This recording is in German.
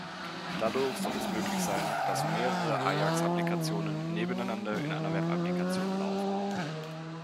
Dadurch soll es möglich sein, dass mehrere Ajax-Applikationen nebeneinander in einer Webapplikation laufen.